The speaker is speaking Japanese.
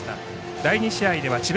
第２試合では智弁